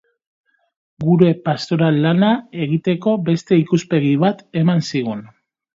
Gure pastoral lana egiteko beste ikuspegi bat eman zigun.